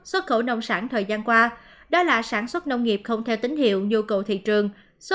xuất khẩu nông sản thời gian qua đó là sản xuất nông nghiệp không theo tín hiệu nhu cầu thị trường số